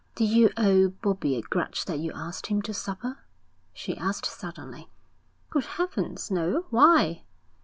'Did you owe Bobbie a grudge that you asked him to supper?' she asked suddenly. 'Good heavens, no. Why?'